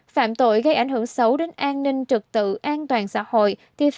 phạm tội gây ảnh hưởng xấu đến an ninh trực tự an toàn xã hội